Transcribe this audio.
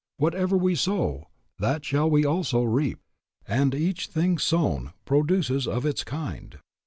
Whatever we sow, that shall we also reap, and each thing sown produces of its kind.